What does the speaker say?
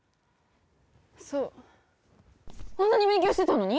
そうあんなに勉強してたのに！？